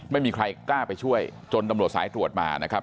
ไม่มีใครกล้าไปช่วยจนตำรวจสายตรวจมานะครับ